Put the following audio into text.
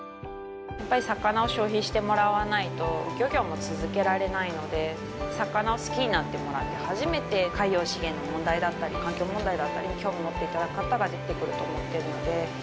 やっぱり魚を消費してもらわないと漁業も続けられないので魚を好きになってもらって初めて海洋資源の問題だったり環境問題だったりに興味持っていただく方が出て来ると思っているので。